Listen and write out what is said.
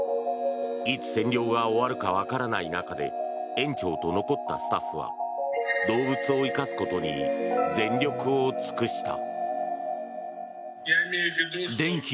いつ占領が終わるかわからない中で園長と残ったスタッフは動物を生かすことに全力を尽くした。